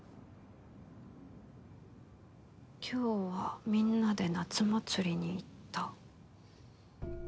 「今日はみんなで夏祭りに行った！」